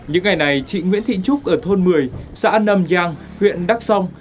những ngày này chị nguyễn thị trúc ở thôn một mươi xã nam giang huyện đắk song